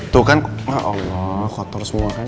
tuh kan allah kotor semua kan